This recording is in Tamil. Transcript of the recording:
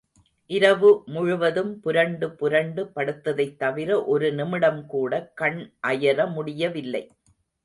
இரவு முழுவதும் புரண்டு புரண்டு படுத்ததைத் தவிர ஒரு நிமிடம் கூட கண் அயர முடியவில்லை.